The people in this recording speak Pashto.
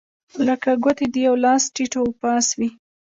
لکه ګوتې د یوه لاس ټیت و پاس وې.